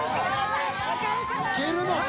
いけるのか？